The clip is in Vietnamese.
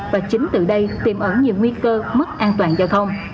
và chính từ đây tiềm ẩn nhiều nguy cơ mất an toàn giao thông